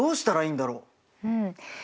うん。